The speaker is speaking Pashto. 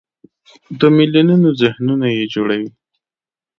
د میلیونونو ذهنونه یې جوړوي.